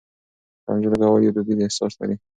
رانجه لګول يو دوديز احساس لري.